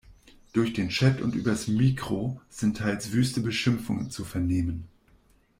Durch den Chat und übers Mikro sind teils wüste Beschimpfungen zu vernehmen.